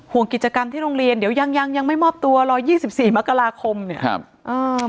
ห่วงกิจกรรมที่โรงเรียนเดี๋ยวยังยังไม่มอบตัว๑๒๔มกรคมเนี่ย